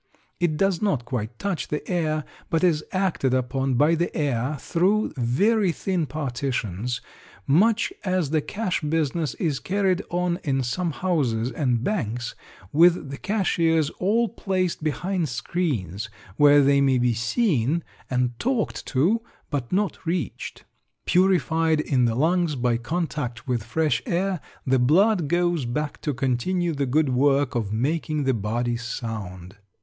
It does not quite touch the air, but is acted upon by the air through very thin partitions much as the cash business is carried on in some houses and banks with the cashiers all placed behind screens, where they may be seen and talked to but not reached. Purified in the lungs by contact with fresh air, the blood goes back to continue the good work of making the body sound.